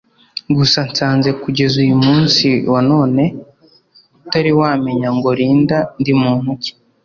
gusa nsanze kugeza uyu munsi wa none utari wamenya ngo Linda ndi muntu ki